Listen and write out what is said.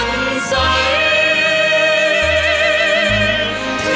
เพราะมีผู้ไม่ยอมแท้มาทุกยนต์